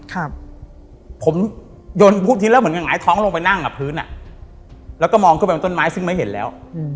ครับผมยนต์พูดทิ้งแล้วเหมือนกับหงายท้องลงไปนั่งกับพื้นอ่ะแล้วก็มองขึ้นไปบนต้นไม้ซึ่งไม่เห็นแล้วอืม